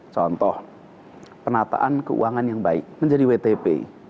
contoh penataan keuangan yang baik menjadi wtp